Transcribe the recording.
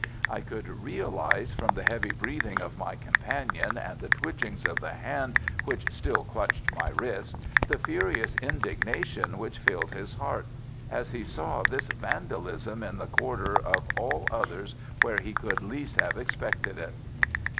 I could realize from the heavy breathing of my companion, and the twitchings of the hand which still clutched my wrist, the furious indignation which filled his heart as he saw this vandalism in the quarter of all others where he could least have expected it.